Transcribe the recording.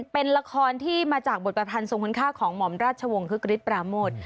เป็นละครที่มาจากบทประพันธ์ทรงคุณค่าของหม่อมราชวงศึกฤทธปราโมท